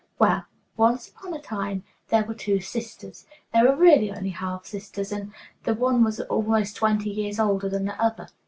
"Well, 'once upon a time,' there were two sisters. They were really only half sisters, and the one was almost twenty years older than the other.